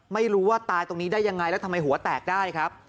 ไม่รู้ว่าตายตรงนี้ได้ยังไงแล้วทำไมหัวแตกได้ครับ